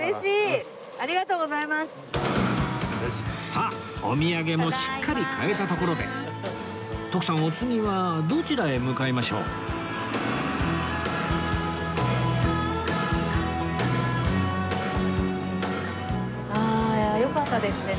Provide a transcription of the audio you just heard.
さあお土産もしっかり買えたところで徳さんお次はどちらへ向かいましょう？ああよかったですね